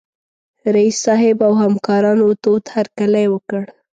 رييس صاحب او همکارانو تود هرکلی وکړ.